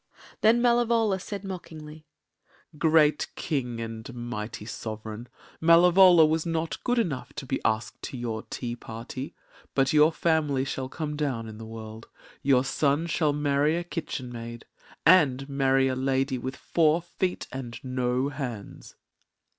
Then Malevola said mockingly: “Great King and mighty Sovereign, Malevola was not good enough to be asked to your tea party. But your family shall come down in the world; your son shall marry a kitchen maid and marry a lady with four feet and no hands.